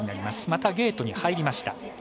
またゲートに入りました。